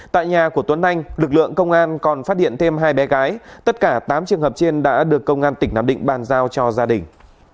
tại nhà của tuấn anh lực lượng công an còn phát hiện thêm hai bé gái tất cả tám trường hợp trên đã được công an tỉnh nam định bàn giao cho gia đình